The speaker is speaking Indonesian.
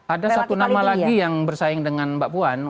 ada satu nama lagi yang bersaing dengan mbak puan